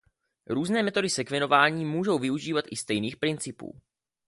Různé metody sekvenování můžou využívat i stejných principů.